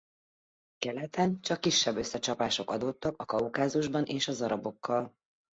Keleten csak kisebb összecsapások adódtak a Kaukázusban és az arabokkal.